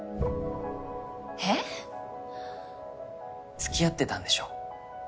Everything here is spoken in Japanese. つきあってたんでしょ？